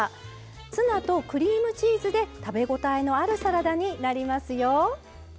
ツナとクリームチーズで食べ応えのあるサラダになりますよ。